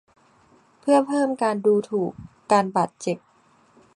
เพื่อเพิ่มการดูถูกการบาดเจ็บ